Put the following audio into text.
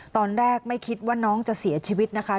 ตอนแรกไม่คิดว่าน้องจะเสียชีวิตนะคะ